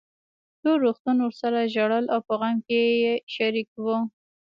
ټول روغتون ورسره ژړل او په غم کې يې شريک وو.